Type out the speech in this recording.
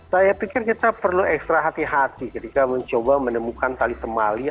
saya pikir kita perlu ekstra hati hati ketika mencoba menemukan tali temali